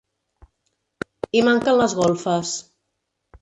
Hi manquen les golfes.